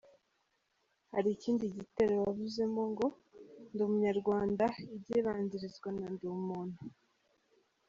Hari ikindi gitero wavuzemo ngo : “Ndi umunyarwanda ijye ibanzirizwa na ndi umuntu”.